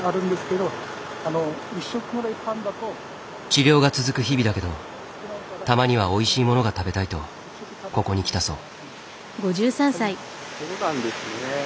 治療が続く日々だけどたまにはおいしいものが食べたいとここに来たそう。